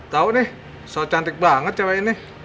tau nih so cantik banget cewek ini